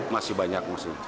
masih banyak masih